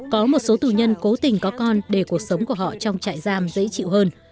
có một số tù nhân cố tình có con để cuộc sống của họ trong trại giam dễ chịu hơn